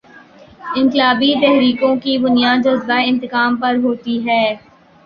انقلابی تحریکوں کی بنیاد جذبۂ انتقام پر ہوتی ہے۔